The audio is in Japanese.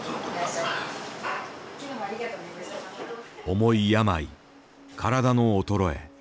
重い病体の衰え。